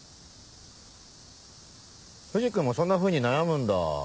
藤君もそんなふうに悩むんだ。